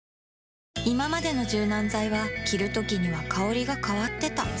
いままでの柔軟剤は着るときには香りが変わってた